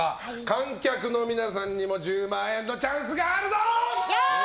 観客の皆さんにも１０万円のチャンスがあるぞ！